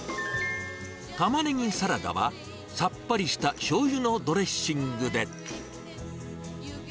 タマネギサラダはさっぱりしたしょうゆのドレッシングで。